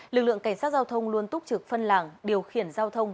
lực lượng cảnh sát giao thông luôn túc trực phân làng điều khiển giao thông